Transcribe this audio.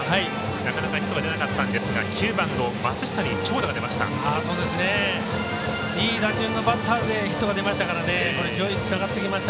なかなかヒットが出なかったんですが９番の松下に長打が出ました。